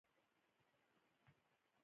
تاریخي پېښې د بنسټونو برخلیک ټاکي.